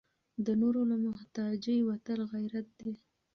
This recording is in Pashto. د نورو له محتاجۍ وتل غیرت دی.